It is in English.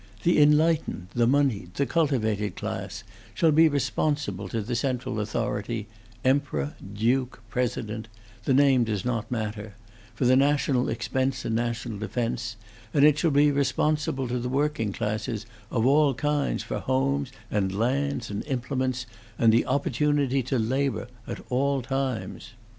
The enlightened, the moneyed, the cultivated class shall be responsible to the central authority emperor, duke, president; the name does not matter for the national expense and the national defence, and it shall be responsible to the working classes of all kinds for homes and lands and implements, and the opportunity to labor at all times.